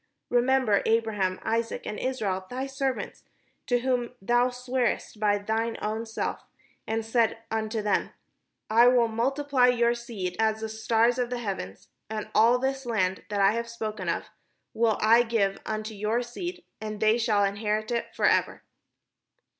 Remember Abraham, Isaac, and Israel, thy servants, to whom thou swarest by thine own self, and saidst unto them, ' I will multiply your seed as the stars of heaven, and ail this land that I have spoken of will I give unto your seed, and they shall inherit it forever.'